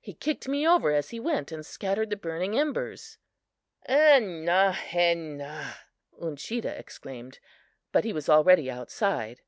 He kicked me over as he went and scattered the burning embers. "En na he na!" Uncheedah exclaimed, but he was already outside.